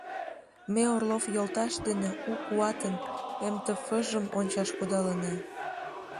Ме Орлов йолташ дене «У куатын» МТФ-жым ончаш кудалына.